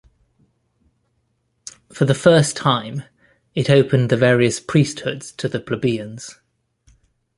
For the first time, it opened the various priesthoods to the plebeians.